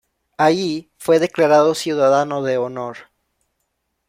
Allí fue declarado Ciudadano de Honor.